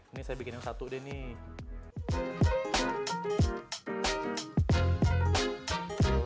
ini saya bikin yang satu deh nih